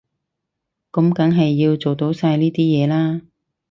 噉梗係要做到晒呢啲嘢啦